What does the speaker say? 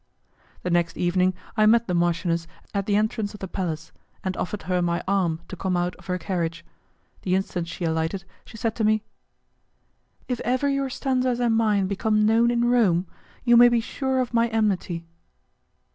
The next evening I met the marchioness at the entrance of the palace, and offered her my arm to come out of her carriage. The instant she alighted, she said to me, "If ever your stanzas and mine become known in Rome, you may be sure of my enmity."